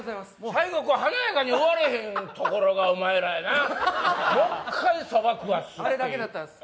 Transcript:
最後こう華やかに終われへんところがお前らやなもう一回そば食わすっていうあれだけだったんです